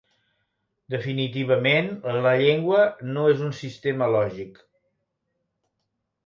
Definitivament, la llengua no és un sistema lògic.